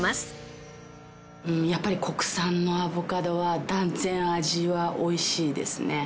やっぱり国産のアボカドは断然味は美味しいですね。